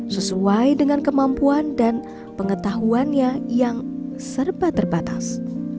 sesuai dengan kemampuan dan pengetahuannya yang serba terbatas